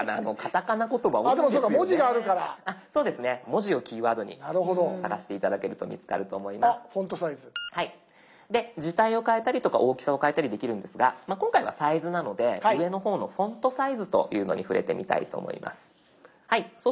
字体を変えたりとか大きさを変えたりできるんですが今回はサイズなので上の方の「フォントサイズ」というのに触れてみたいと思います。